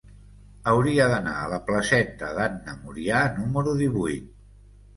Hauria d'anar a la placeta d'Anna Murià número divuit.